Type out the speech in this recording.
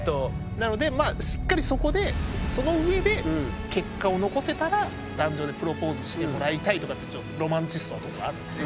なのでしっかりそこでそのうえで結果を残せたら壇上でプロポーズしてもらいたいとかってロマンチストなところがあるので。